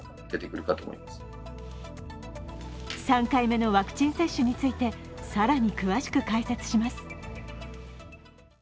３回目のワクチン接種について更に詳しく解説します。